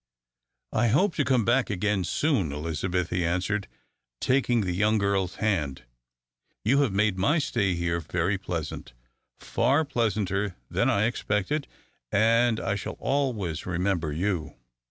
"I hope to come back again soon, Elizabeth," he answered, taking the young girl's hand. "You have made my stay here very pleasant, far pleasanter than I expected, and I shall always remember you."